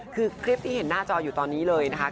คือคลิปที่เห็นหน้าจออยู่ตอนนี้เลยนะคะ